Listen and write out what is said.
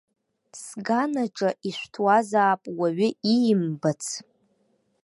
Сган аҿы ишәҭуазаап уаҩы иимбац.